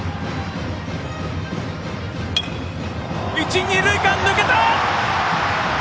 一、二塁間、抜けた！